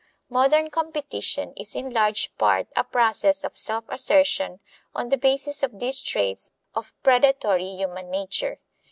Modern competition is in large part a process of self assertion on the basis of these traits of predatory human nature.